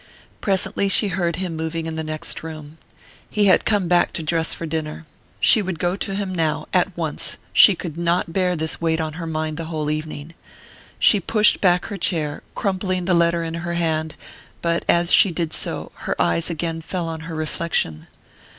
Presently she heard him moving in the next room he had come back to dress for dinner. She would go to him now, at once she could not bear this weight on her mind the whole evening. She pushed back her chair, crumpling the letter in her hand; but as she did so, her eyes again fell on her reflection.